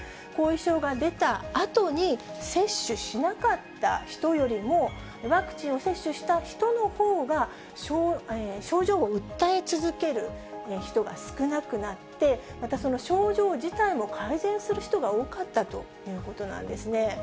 後遺症が出たあとに、接種しなかった人よりも、ワクチンを接種した人のほうが、症状を訴え続ける人が少なくなって、またその症状自体も改善する人が多かったということなんですね。